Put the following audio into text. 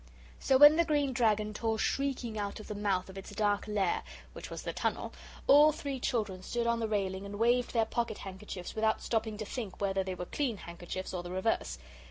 So when the Green Dragon tore shrieking out of the mouth of its dark lair, which was the tunnel, all three children stood on the railing and waved their pocket handkerchiefs without stopping to think whether they were clean handkerchiefs or the reverse.